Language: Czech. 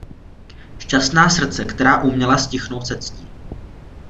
Šťastná srdce, která uměla ztichnout se ctí.